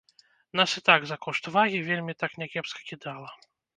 Нас і так за кошт вагі вельмі так някепска кідала.